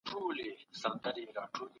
سياسي ګوندونه بايد باثباته دولت جوړ کړي.